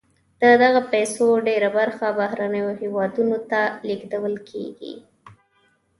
د دغه پیسو ډېره برخه بهرنیو هېوادونو ته لیږدول کیږي.